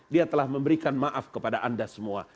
dia telah memberikan maaf kepada anda semua